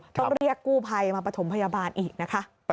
ต้องเรียกกู้ภัยมาประถมพยาบาลอีกนะคะ